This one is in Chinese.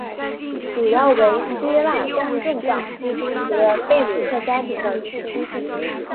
主要为希腊东正教基督徒的贝鲁特家庭的聚居地。